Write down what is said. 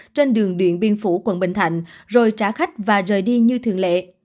trên đường điện biên phủ quận bình thạnh rồi trả khách và rời đi như thường lệ